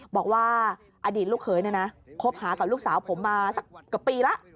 บอกว่าอดีตลูกเคยนะนะคบหากับลูกสาวผมมาสักปีละ